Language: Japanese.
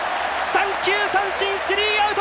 三球三振、スリーアウト。